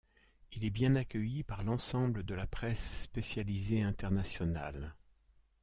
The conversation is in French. Il est bien accueilli par l'ensemble de la presse spécialisée internationale.